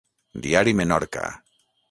Diari Menorca.